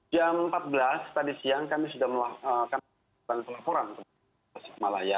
jam empat belas tadi siang kami sudah melakukan pelaporan kesikmalaya